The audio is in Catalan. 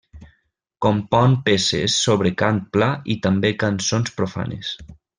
Compon peces sobre cant pla i també cançons profanes.